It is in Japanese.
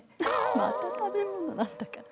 また食べ物なんだから。